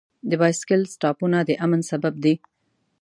د بایسکل سټاپونه د امن سبب دی.